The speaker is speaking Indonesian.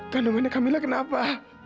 kandungannya kamila kenapa